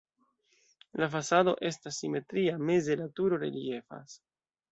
La fasado estas simetria, meze la turo reliefas.